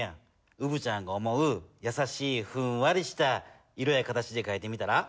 うぶちゃんが思うやさしいふんわりした色や形でかいてみたら？